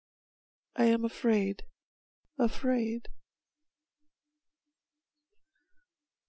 I am afraid, afraid.